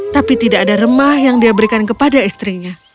tapi tidak ada remah yang dia berikan kepada istrinya